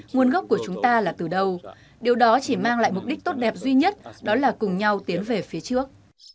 nguồn gốc của chúng ta là từ đâu điều đó chỉ mang lại mục đích tốt đẹp duy nhất đó là cùng nhau tiến về phía trước